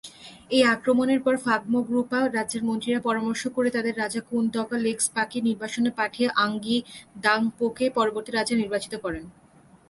এই আক্রমণের পর ফাগ-মো-গ্রু-পা রাজ্যের মন্ত্রীরা পরামর্শ করে তাদের রাজা কুন-দ্গা'-লেগ্স-পাকে নির্বাসনে পাঠিয়ে ঙ্গাগ-গি-দ্বাং-পোকে পরবর্তী রাজা নির্বাচিত করেন।